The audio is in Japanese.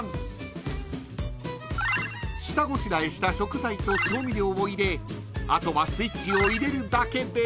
［下ごしらえした食材と調味料を入れあとはスイッチを入れるだけで］